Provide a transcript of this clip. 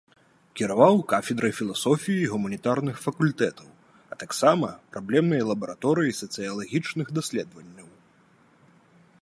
Кіраваў кафедрай філасофіі гуманітарных факультэтаў, а так сама праблемнай лабараторыяй сацыялагічных даследаванняў.